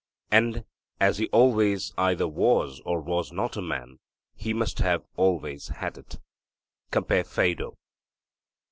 And as he always either was or was not a man, he must have always had it. (Compare Phaedo.)